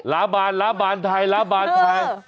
หลาบานหลาบานไทยหลาบานไทย